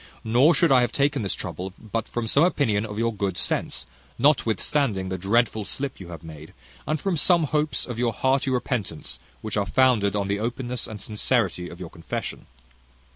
Nor should I have taken this trouble, but from some opinion of your good sense, notwithstanding the dreadful slip you have made; and from some hopes of your hearty repentance, which are founded on the openness and sincerity of your confession.